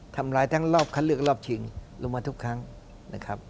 ทำร้ายทั้งรอบคัดเลือกรอบชิงลงมาทุกครั้งนะครับ